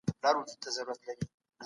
همدا مو شعار دی.